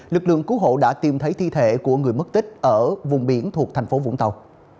lực lượng cứu hộ đã tìm thấy thi thể của người mất tích ở vùng biển thuộc thành phố vũng tàu